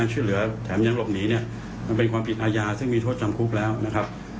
หรือทั้งจำทั้งปรับค่ะ